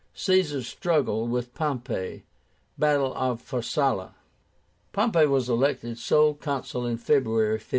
CAESAR'S STRUGGLE WITH POMPEY. BATTLE OF PHARSALIA. Pompey was elected sole Consul in February, 52.